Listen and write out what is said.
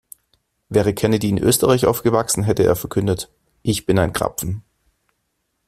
Wäre Kennedy in Österreich aufgewachsen, hätte er verkündet: Ich bin ein Krapfen!